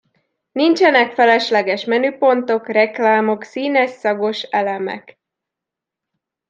Nincsenek felesleges menüpontok, reklámok, színes-szagos elemek.